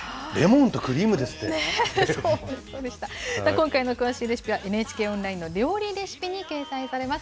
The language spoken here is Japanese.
今回の詳しいレシピは、ＮＨＫオンラインの料理レシピに掲載されます。